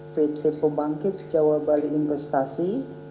pt pembangkit jawa bali investasi